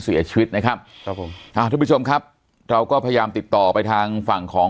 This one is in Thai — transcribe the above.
เสียชีวิตนะครับครับผมอ่าทุกผู้ชมครับเราก็พยายามติดต่อไปทางฝั่งของ